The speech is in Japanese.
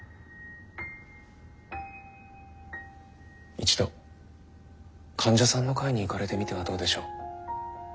一度患者さんの会に行かれてみてはどうでしょう？